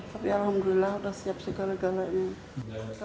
tapi alhamdulillah sudah siap segala galanya